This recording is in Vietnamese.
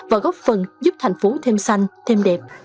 và góp phần giúp thành phố thêm xanh thêm đẹp